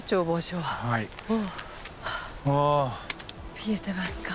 見えてますか？